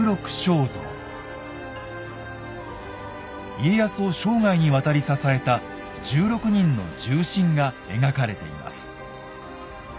家康を生涯にわたり支えた１６人の重臣が描かれています。